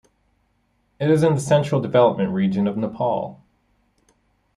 It is in the Central Development Region of Nepal.